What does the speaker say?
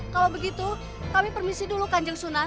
kalau begitu kami permisi dulu kanjeng sunan